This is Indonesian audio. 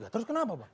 terus kenapa bang